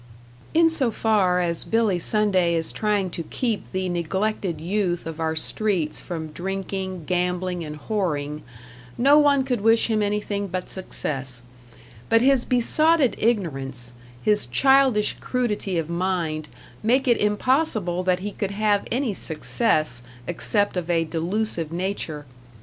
In so far as Billy Sunday is trying to keep the neglected youth of our streets from drinking, gambling and whoring, no one could wish him anything but success; but his besotted ignorance, his childish crudity of mind, make it impossible that he could have any success except of a delusive nature.